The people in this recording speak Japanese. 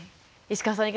石川さん